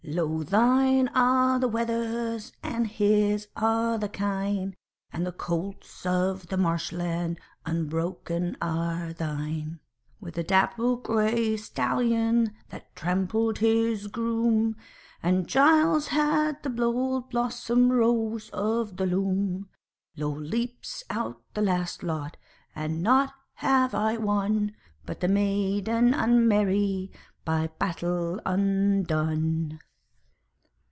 Lo! thine are the wethers, and his are the kine; And the colts of the marshland unbroken are thine, With the dapple grey stallion that trampled his groom; And Giles hath the gold blossomed rose of the loom. Lo! leaps out the last lot and nought have I won, But the maiden unmerry, by battle undone.